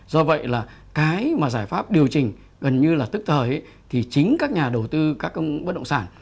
do vậy là cái mà giải pháp điều chỉnh gần như là tức thời thì chính các nhà đầu tư các bất động sản